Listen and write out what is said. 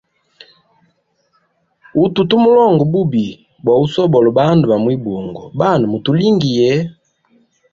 Utu tumulonga bubi wa usobola bandu ba mwibungo, banwe mutulingiye.